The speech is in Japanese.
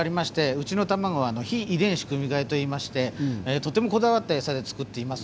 うちは非遺伝子組み換えといいましてこだわった餌で作っています。